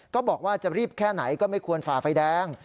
ก็บอกว่าจะรีบแค่ไหนก็ไม่ควรฝ่าไฟแดง